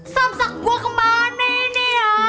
samsak gue kemana ini ya